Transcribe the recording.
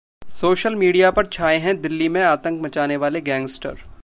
social media पर छाए हैं दिल्ली में आतंक मचाने वाले गैंगस्टर